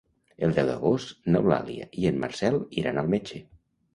El deu d'agost n'Eulàlia i en Marcel iran al metge.